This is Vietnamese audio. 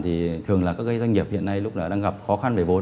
thì thường là các doanh nghiệp hiện nay đang gặp khó khăn về vốn